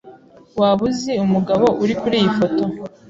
Waba uzi umugabo uri kuriyi foto?